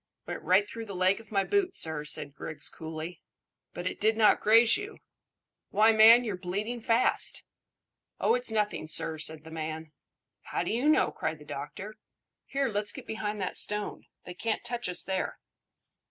"Went right through the leg of my boot, sir," said Griggs coolly. "But it did not graze you? Why, man, you're bleeding fast!" "Oh, it's nothing, sir," said the man. "How do you know?" cried the doctor. "Here, let's get behind that stone. They can't touch us there."